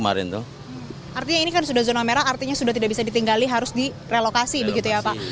artinya ini kan sudah zona merah artinya sudah tidak bisa ditinggali harus direlokasi begitu ya pak